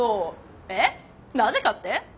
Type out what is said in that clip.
えっなぜかって？